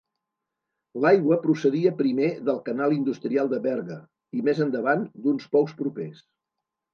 L'aigua procedia primer del canal industrial de Berga, i més endavant d'uns pous propers.